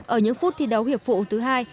ở những phút thi đấu hiệp vụ thứ hai